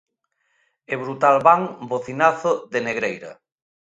E Brutal Band Bocinazo de Negreira.